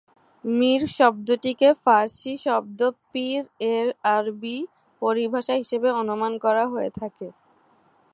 মীর শব্দটিকে ফার্সি শব্দ "পীর" এর আরবি পরিভাষা হিসেবে অনুমান করা হয়ে থাকে।